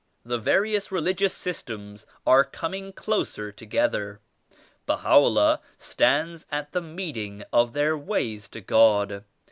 The various religious systems are coming closer together. Baha'u' LLAH stands at the meeting of their ways to God.